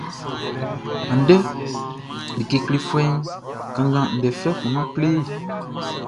Andɛʼn, like klefuɛʼn kanngan ndɛ fɛfɛ kun nun kle e.